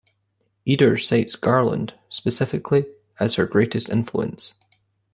Eder cites Garland, specifically, as her greatest influence.